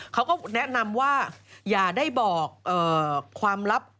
เขาก็แนะนำว่าอย่าได้บอกความลับ